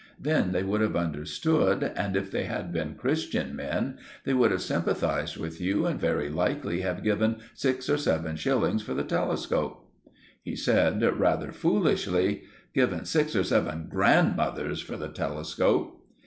Then they would have understood, and if they had been Christian men, they would have sympathized with you and very likely have given six or seven shillings for the telescope." He said, rather foolishly— "Given six or seven grandmothers for the telescope!"